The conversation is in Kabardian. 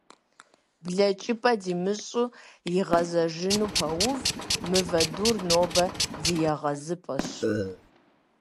Блэкӏыпӏэ димыщӏу игъэзэжыну пэув, мывэ дур нобэ ди егъэзыпӏэщ.